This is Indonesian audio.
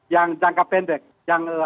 yang jangka pendek yang